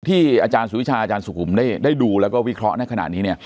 ที่อาจารย์สุวิชาอาจารย์สุขุมได้ดูแล้วก็วิเคราะห์ในขณะนี้เนี่ย